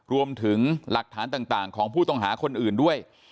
รวมถึงหลักฐานต่างของผู้ต้องหาคนอื่นด้วย